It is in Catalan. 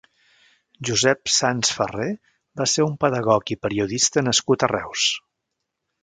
Josep Sans Ferré va ser un pedagog i periodista nascut a Reus.